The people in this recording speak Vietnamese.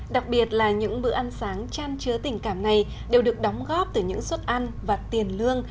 đặc biệt là những bữa ăn sáng chăn chứa tình cảm này đều được đóng góp từ những suất ăn và tiền lương